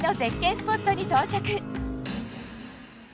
スポットに到着